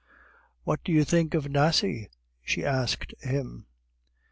"What do you think of Nasie?" she asked him.